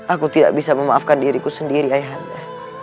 aku tidak bisa memaafkan diriku sendiri ayah anda